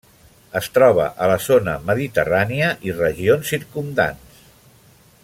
Es troba a la zona mediterrània i regions circumdants.